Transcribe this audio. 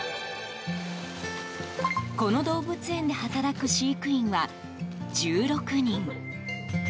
この動物園で働く飼育員は１６人。